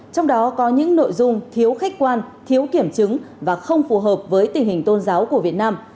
trong đó có những nội dung thiếu khách quan thiếu kiểm chứng và không phù hợp với tình hình tôn giáo của việt nam